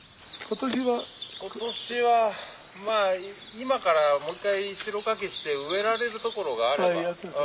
今年はまあ今からもう一回代かきして植えられるところがあれば。